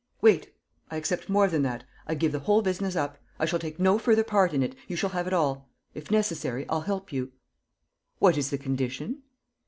"Wait! I accept more than that: I give the whole business up. ... I shall take no further part in it. ... You shall have it all. ... If necessary, I'll help you." "What is the condition?"